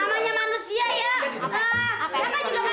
mulai bakal indah